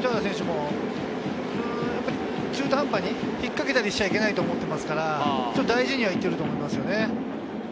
糸原選手も中途半端に引っかけたりしちゃいけないと思っていますから、大事にはいっていると思いますね。